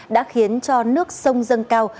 đã khiến cho nước sông dâng cao